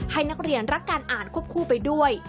ให้นักเรียนรักการอ่านควบคู่ไปด้วย